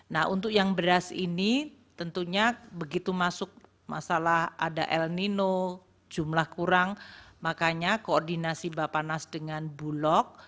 nah untuk yang beras ini tentunya begitu masuk masalah ada el nino jumlah kurang makanya koordinasi bapak nas dengan bulog